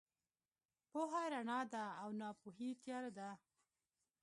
پوهه رڼا ده او ناپوهي تیاره ده.